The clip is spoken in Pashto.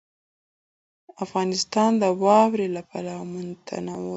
افغانستان د واوره له پلوه متنوع دی.